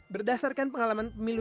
berdasarkan pengalaman pemilu